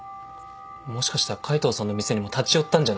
もしかしたら海藤さんの店にも立ち寄ったんじゃないですか？